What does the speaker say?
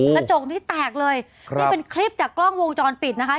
กระจกนี้แตกเลยครับนี่เป็นคลิปจากกล้องวงจรปิดนะคะ